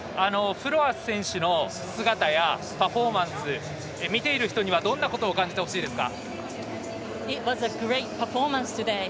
フロアス選手の姿やパフォーマンス見ている人にはどんなことを感じてほしいですか？